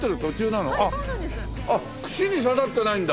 あっ串に刺さってないんだ。